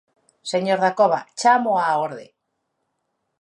Señor Dacova, ¡chámoo á orde!